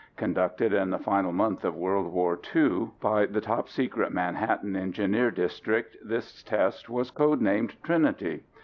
Conducted in the final month of World War II by the top secret Manhattan Engineer District, this test was code named Trinity.